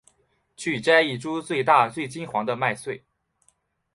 去摘一株最大最金黄的麦穗